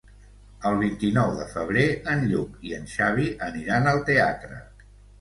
El vint-i-nou de febrer en Lluc i en Xavi aniran al teatre.